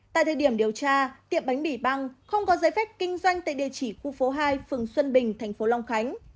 tại thời điểm điều tra tiệm bánh bỉ băng không có giấy phép kinh doanh tại địa chỉ khu phố hai phường xuân bình tp long khánh